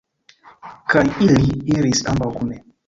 Kaj ili iris ambaŭ kune.